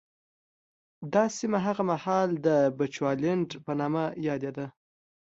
دا سیمه هغه مهال د بچوالېنډ په نامه یادېده.